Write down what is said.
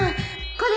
これ